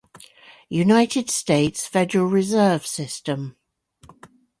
United States Federal reserve system.